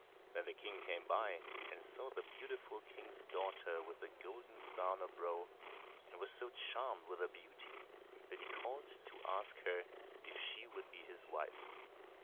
Then the King came by and saw the beautiful King's daughter with the golden star on her brow, and was so charmed with her beauty that he called to ask her if she would be his wife.